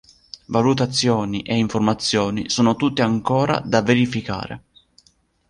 Valutazioni e informazioni sono tutte ancora da verificare.